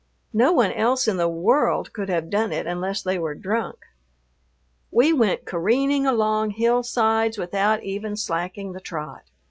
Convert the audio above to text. No one else in the world could have done it unless they were drunk. We went careening along hill sides without even slacking the trot.